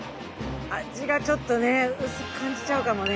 味がちょっとね薄く感じちゃうかもね。